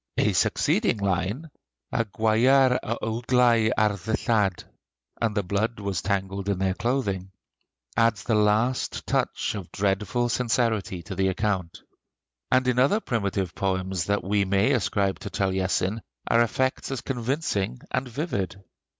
A succeeding line, "A gwyar a uaglei ar ddillad," (And the blood was tangled in their clothing), adds the last touch of dreadful sincerity to the account. And in other primitive poems that we may ascribe to Taliesin are effects as convincing and vivid.